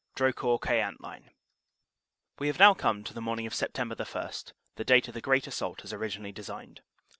1 3, DROCOURT QUEANT LINE WE have now come to the morning of Sept. 1, the date of the great assault as originally designed.